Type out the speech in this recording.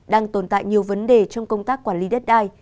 đang tồn tại nhiều vấn đề trong công tác quản lý đất đai